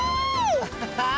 アハハー！